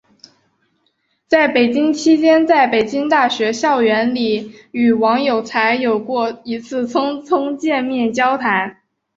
在北京期间在北京大学校园里与王有才有过一次匆匆见面交谈。